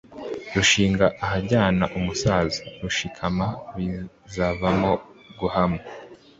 Rushinga ahajyana umusaza, Rushikama bizavamo gukamwa,